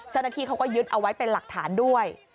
เจ้าหน้าที่เขาก็ยึดเอาไว้เป็นหลักฐานด้วย